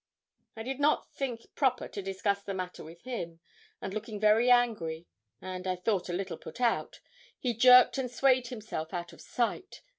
I did not think proper to discuss the matter with him; and looking very angry, and, I thought, a little put out, he jerked and swayed himself out of sight.